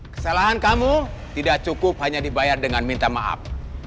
kesalahan kamu tidak cukup hanya dibayar dengan minta maaf